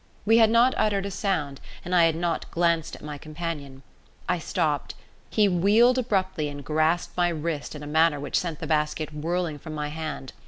We had not uttered a sound, and I had not glanced at my companion. I stopped; he wheeled abruptly and grasped my wrist in a manner which sent the basket whirling from my hand.